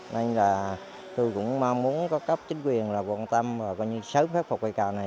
nên là tôi cũng mong muốn có cấp chính quyền là quan tâm và coi như sớm phép phục cây cầu này